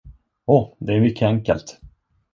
Åh, det är mycket enkelt!